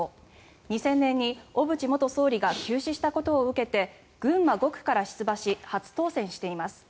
２０００年に小渕元総理が急死したことを受けて群馬５区から出馬し初当選しています。